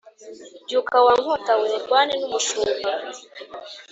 Byuka wa nkota we urwane n’umushumba